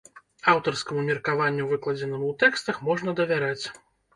Аўтарскаму меркаванню, выкладзенаму ў тэкстах, можна давяраць.